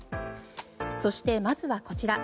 そして、まずはこちら。